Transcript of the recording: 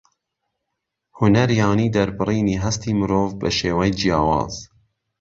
هوونەر یانی دەربڕینی هەستی مرۆڤ بەشێوەی جیاواز